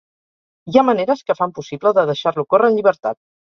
Hi ha maneres que fan possible de deixar-lo correr en llibertat.